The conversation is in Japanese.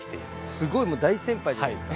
すごいもう大先輩じゃないですか。